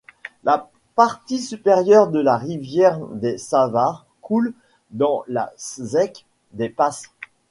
La partie supérieure de la rivière des Savard coule dans la zec des Passes.